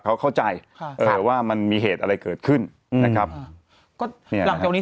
เขาเข้าใจว่ามันมีเหตุอะไรเกิดขึ้นนะครับ